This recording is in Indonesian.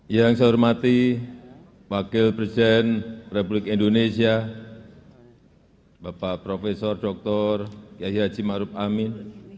yang saya hormati wakil presiden republik indonesia bapak profesor dr kiai haji ⁇ maruf ⁇ amin